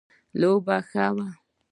لوبه ښه وه